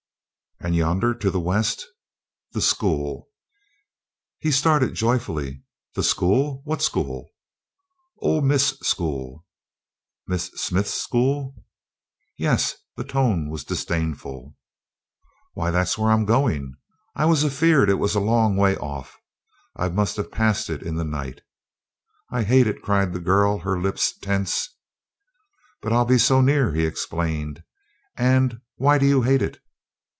"And yonder to the west?" "The school." He started joyfully. "The school! What school?" "Old Miss' School." "Miss Smith's school?" "Yes." The tone was disdainful. "Why, that's where I'm going. I was a feared it was a long way off; I must have passed it in the night." "I hate it!" cried the girl, her lips tense. "But I'll be so near," he explained. "And why do you hate it?"